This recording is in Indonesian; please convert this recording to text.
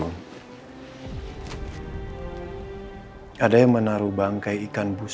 mengapa ya sesuatu mencurigakan hazards